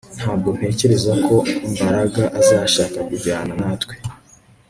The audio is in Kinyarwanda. Ntabwo ntekereza ko Mbaraga azashaka kujyana natwe